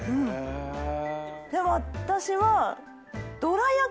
でも私は。